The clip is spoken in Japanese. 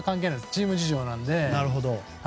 チーム事情なので。